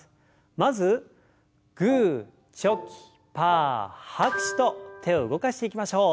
まずグーチョキパー拍手と手を動かしていきましょう。